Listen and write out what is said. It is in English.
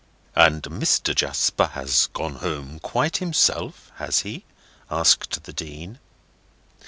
"And Mr. Jasper has gone home quite himself, has he?" asked the Dean.